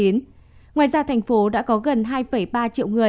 ngoài ra thành phố đã có gần hai ba triệu người